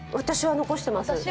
私は残しています。